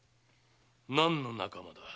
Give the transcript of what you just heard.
何の仲間だ？